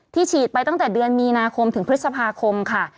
ฉีดไปตั้งแต่เดือนมีนาคมถึงพฤษภาคมค่ะ